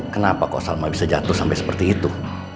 kenapa kok salma bisa jatuh sampai seperti itu